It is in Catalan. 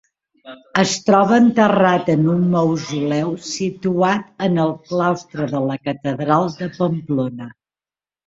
Es troba enterrat en un mausoleu situat en el claustre de la catedral de Pamplona.